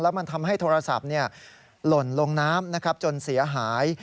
แล้วมันทำให้โทรศัพท์เนี่ยหล่นลงน้ำนะครับจนเสียหาย